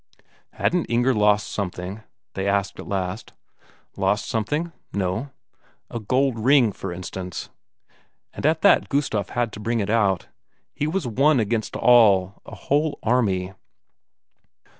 "Hadn't Inger lost something?" they asked at last. "Lost something? No." "A gold ring, for instance?" And at that Gustaf had to bring it out; he was one against all, a whole army.